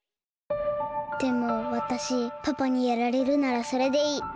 でもわたしパパにやられるならそれでいい。